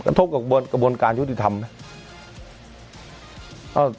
ทบกับกระบวนการยุติธรรมไหม